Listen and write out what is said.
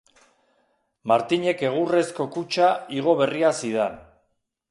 Martinek egurrezko kutxa igo berria zidan.